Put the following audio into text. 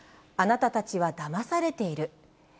あなたたちはだまされている。